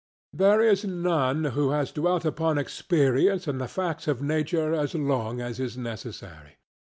There is none who has dwelt upon experience and the facts of nature as long as is necessary.